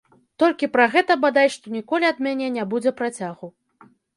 Толькі пра гэта бадай што ніколі ад мяне не будзе працягу.